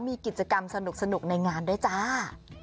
มีกิจกรรมสนุกในงานด้วยจ้า